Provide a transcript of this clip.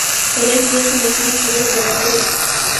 که لږ ځير شو نو سمې خبرې به واورو.